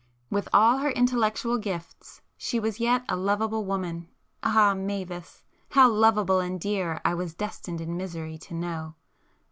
With all her intellectual gifts she was yet a lovable woman,—ah Mavis!—how lovable and dear I was destined in misery to know!